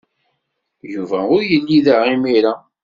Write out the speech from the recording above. Yuba ur yelli da imir-a.